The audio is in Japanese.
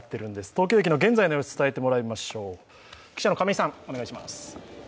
東京駅の現在の様子、伝えてもらいましょう。